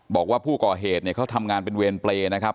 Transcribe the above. บอกว่าผู้ก่อเหตุเนี่ยเขาทำงานเป็นเวรเปรย์นะครับ